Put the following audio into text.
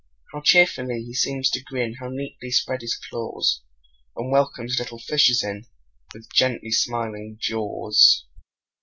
How cheerfully he seems to grin How neatly spreads his claws, And welcomes little fishes in, With gently smiling jaws!